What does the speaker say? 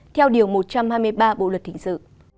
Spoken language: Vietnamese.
theo điều một trăm hai mươi ba bộ luật thỉnh dự